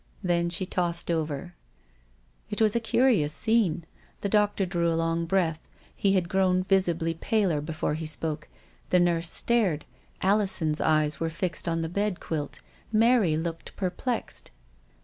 Then she tossed over. It was a curious scene. The doctor drew a long breath; he had grown visibly paler before he spoke. The nurse stared. Alison's eyes were fixed on the bed quilt. Mary looked perplexed.